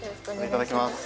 いただきます